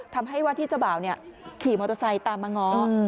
ทำให้ที่เจ้าเบาขี่มอเตอร์ไซต์ตามมาง้อ